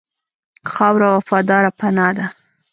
خاوره وفاداره پناه ده.